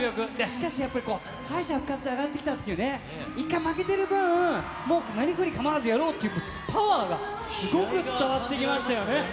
しかしやっぱり、敗者復活で上がってきたっていうね、一回負けてる分、もうなりふり構わずやろうっていうパワーがすごく伝わってきましたよね。